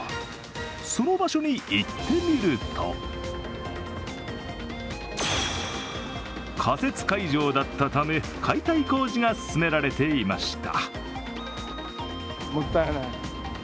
その場所に行ってみると仮設会場だったため、解体工事が進められていました。